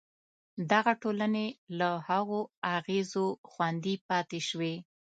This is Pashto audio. دغه ټولنې له هغو اغېزو خوندي پاتې شوې.